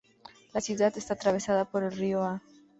La ciudad está atravesada por el río Aa.